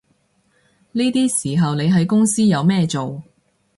呢啲時候你喺公司有咩做